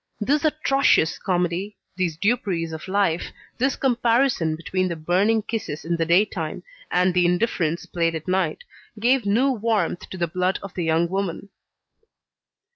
This atrocious comedy, these duperies of life, this comparison between the burning kisses in the daytime, and the indifference played at night, gave new warmth to the blood of the young woman.